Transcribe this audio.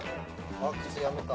靴やめた。